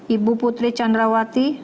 ibu putri chandrawati